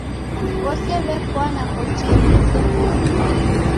W'ose w'epwana kotinyi kum'bona.